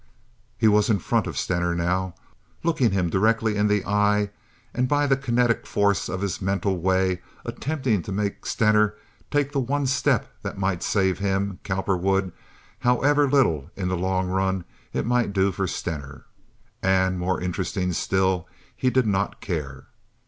He was in front of Stener now, looking him directly in the eye and by the kinetic force of his mental way attempting to make Stener take the one step that might save him—Cowperwood—however little in the long run it might do for Stener. And, more interesting still, he did not care.